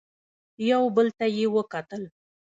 يو بل ته يې وکتل.